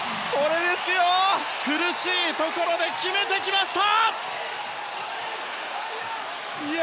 苦しいところで決めてきました！